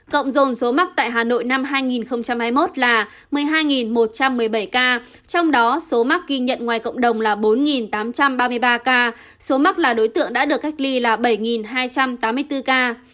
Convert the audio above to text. cộng dồn số mắc tại hà nội năm hai nghìn hai mươi một là một mươi hai một trăm một mươi bảy ca trong đó số mắc ghi nhận ngoài cộng đồng là bốn tám trăm ba mươi ba ca số mắc là đối tượng đã được cách ly là bảy hai trăm tám mươi bốn ca